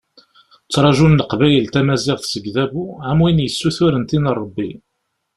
Ttrajun Leqbayel tamaziɣt seg Udabu am wid yessuturen tin n Rebbi.